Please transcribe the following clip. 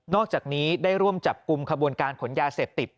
อกจากนี้ได้ร่วมจับกลุ่มขบวนการขนยาเสพติด